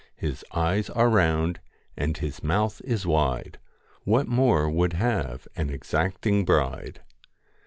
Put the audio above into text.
His eyes are round and his mouth is wide, What more would have an exacting bride